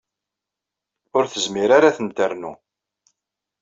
Ur tezmir ara ad ten-ternu.